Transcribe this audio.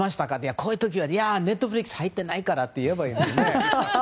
こういう時はいやー、Ｎｅｔｆｌｉｘに入ってないからって言えばいいのにね。